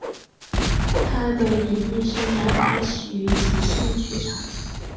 他的演艺生涯开始于即兴剧场。